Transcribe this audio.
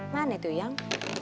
mana itu yang